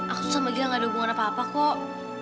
aku sama dia gak ada hubungan apa apa kok